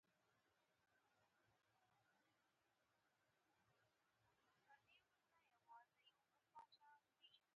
ایا زه باید له مور او پلار لرې اوسم؟